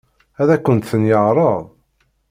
Ad akent-ten-yeɛṛeḍ?